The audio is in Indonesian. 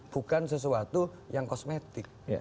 bukan sesuatu yang kosmetik